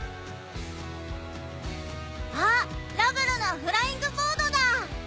あっラブルのフライングボードだ！